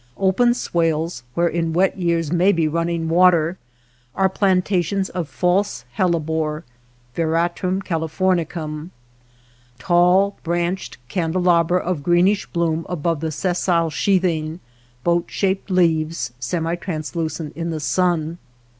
Open swales, where in wet years may be running water, are plantations of false hellebore ( Veratrum Calif or iiicum), tall, branched candelabra of greenish bloom above the sessile, sheathing, boat shaped leaves, semi translucent in the sun.